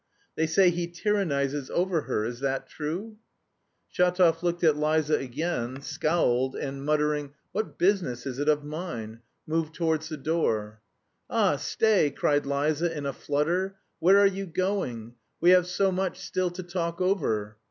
"They say he tyrannises over her, is that true?" Shatov looked at Liza again, scowled, and muttering, "What business is it of mine?" moved towards the door. "Ah, stay!" cried Liza, in a flutter. "Where are you going? We have so much still to talk over...."